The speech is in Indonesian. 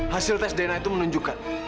hasil tes dna itu menunjukkan